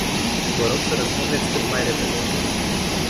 Vă rog să răspundeți cât mai repede.